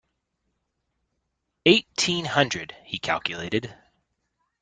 Eighteen hundred, he calculated.